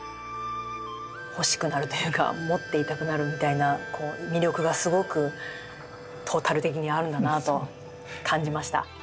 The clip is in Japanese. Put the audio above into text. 欲しくなるというか持っていたくなるみたいな魅力がすごくトータル的にあるんだなと感じました。